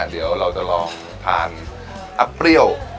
เดี๋ยวเราจะลองทานอับเปรี้ยว